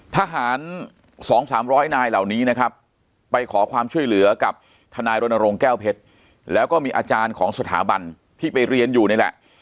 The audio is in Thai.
ทหาร๒๓๐๐นายเหล่านี้นะครับไปขอความช่วยเหลือกับทนายรณรงค์แก้วเพชรแล้วก็มีอาจารย์ของสถาบันที่ไปเรียนอยู่นี่แหละ